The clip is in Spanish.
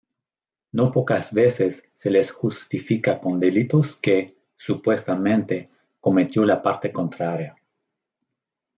No pocas veces se les justifica con delitos que, supuestamente, cometió la parte contraria.